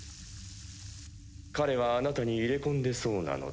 彼はあなたに入れ込んでそうなので。